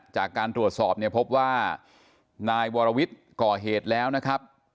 จากการตรวจสอบเนี่ยพบว่านายวรวิทย์ก่อเหตุแล้วนะครับ